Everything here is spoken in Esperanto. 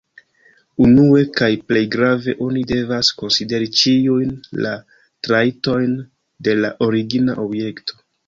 Unue, kaj plej grave, oni devas konsideri ĉiujn la trajtojn de la origina objekto.